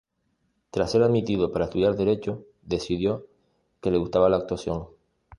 Tras ser admitido para estudiar Derecho, decidió que le gustaba la actuación.